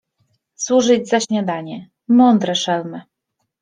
służyć za śniadanie. Mądre, szelmy.